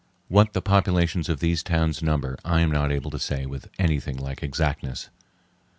What the populations of these towns number I am not able to say with anything like exactness.